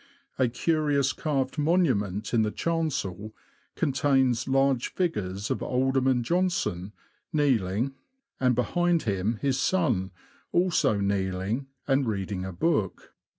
A curious carved monument in the chancel contains large figures of Alderman Johnston, kneeling, and behind him his son, also kneeling, and reading a book.